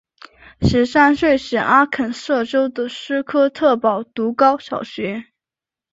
十三岁时阿肯色州的斯科特堡读高小学。